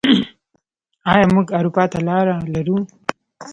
آیا موږ اروپا ته لاره لرو؟